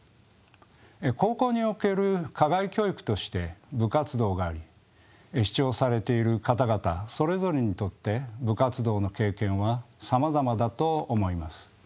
高校における課外教育として部活動があり視聴されている方々それぞれにとって部活動の経験はさまざまだと思います。